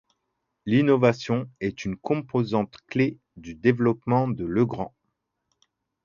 L'innovation est une composante clé du développement de Legrand.